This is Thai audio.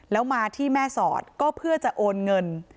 แล้วมาที่แม่สอดก็เพื่อจะโอนเงิน